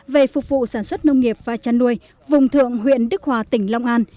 về phục vụ sản xuất nông nghiệp và chăn nuôi vùng thượng huyện đức hòa tỉnh long an